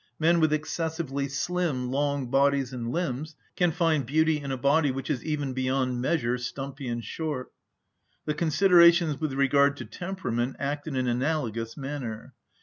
Men with excessively slim, long bodies and limbs can find beauty in a body which is even beyond measure stumpy and short. The considerations with regard to temperament act in an analogous manner.